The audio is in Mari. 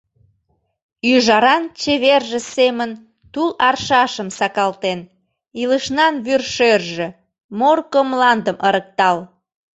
Ӱжаран чеверже семын тул аршашым сакалтен, илышнан вӱршерже, Морко мландым ырыктал.